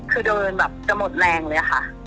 คือเดินแบบจะหมดแรงเลยค่ะ